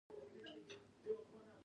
د نړۍ تر ټولو لوړ غر ایورسټ دی.